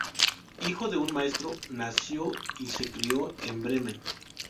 Hijo de un maestro, nació y se crio en Bremen.